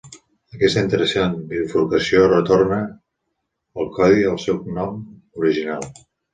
Aquesta interessant bifurcació retorna el codi al seu nom original.